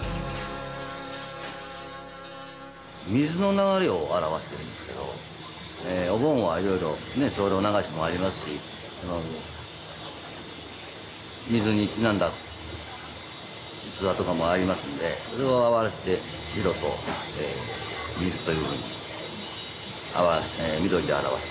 水の流れを表してるんですけどお盆はいろいろ精霊流しもありますし水にちなんだ逸話とかもありますんでそれを表して白と水というふうに緑で表しているんですね。